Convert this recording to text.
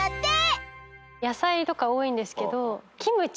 野菜とか多いんですけどキムチ。